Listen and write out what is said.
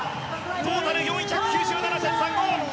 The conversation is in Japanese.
トータル４９７．３５。